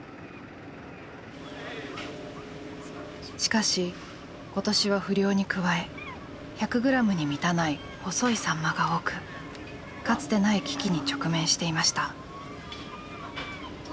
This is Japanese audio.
しかし今年は不漁に加え１００グラムに満たない細いサンマが多くかつてない危機に直面していました。